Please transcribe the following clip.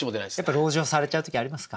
籠城されちゃう時ありますか？